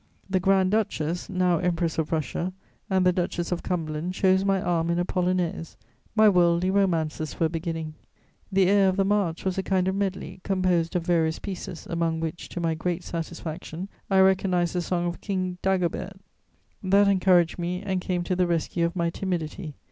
The Grand duchess, now Empress of Russia, and the Duchess of Cumberland chose my arm in a polonaise: my worldly romances were beginning. The air of the march was a kind of medley, composed of various pieces, among which, to my great satisfaction, I recognised the song of King Dagobert: that encouraged me and came to the rescue of my timidity.